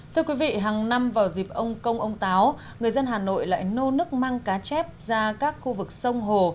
thưa quý vị hàng năm vào dịp ông công ông táo người dân hà nội lại nô nước mang cá chép ra các khu vực sông hồ